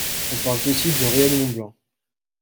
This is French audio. On parle aussi de rayonnement blanc.